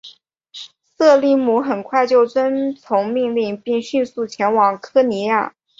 塞利姆很快就遵从命令并迅速前往科尼亚。